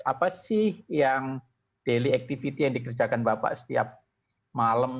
apa sih yang daily activity yang dikerjakan bapak setiap malam